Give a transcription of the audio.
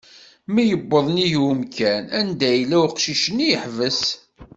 Mi yewweḍ nnig umkan anda yella uqcic-nni, iḥbes.